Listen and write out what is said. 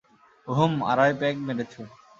উহুম, আড়াই পেগ মেরেছ!